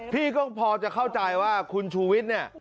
พี่ก็พอจะเข้าใจว่าคุณชูวิทย์เนี่ย